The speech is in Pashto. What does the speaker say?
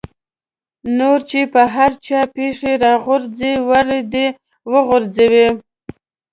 نور چې په هر چا پېښې را غورځي ور دې وغورځي.